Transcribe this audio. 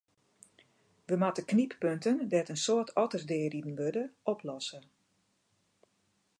We moatte knyppunten dêr't in soad otters deariden wurde, oplosse.